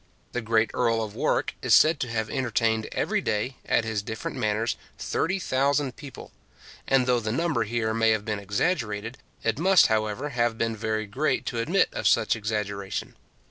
The great Earl of Warwick is said to have entertained every day, at his different manors, 30,000 people; and though the number here may have been exaggerated, it must, however, have been very great to admit of such exaggeration.